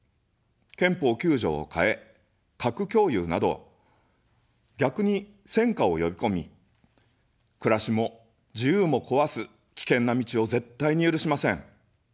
憲法９条を変え、核共有など、逆に戦火をよびこみ、暮らしも自由も壊す、危険な道を絶対に許しません。